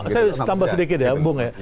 saya tambah sedikit ya bung ya